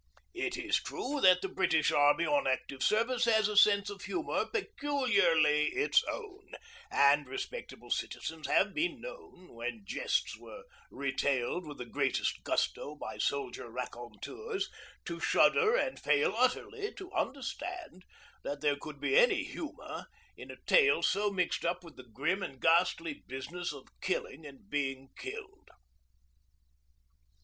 It is true that the British Army on active service has a sense of humour peculiarly its own, and respectable civilians have been known, when jests were retailed with the greatest gusto by soldier raconteurs, to shudder and fail utterly to understand that there could be any humour in a tale so mixed up with the grim and ghastly business of killing and being killed.